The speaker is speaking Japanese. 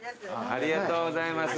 ありがとうございます。